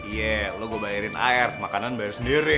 iya lo gue bayarin air makanan bayar sendiri